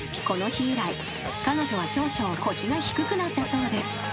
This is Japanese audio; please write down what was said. ［この日以来彼女は少々腰が低くなったそうです］